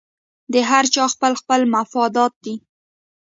د هر چا خپل خپل مفادات دي